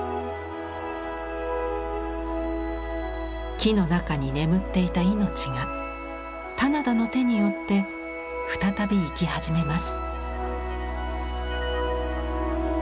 木の中に眠っていた命が棚田の手によって再び生き始めます。